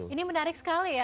ini menarik sekali ya